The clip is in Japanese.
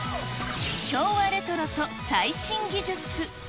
昭和レトロと最新技術。